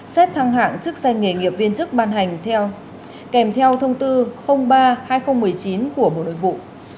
xét thăng hạng chức danh nghề nghiệp viên chức ban hành kèm theo thông tư ba hai nghìn một mươi chín của bộ nội vụ